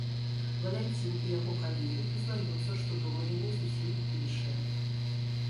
Валянцін і яго калегі прызнаюцца, што дома яны зусім іншыя.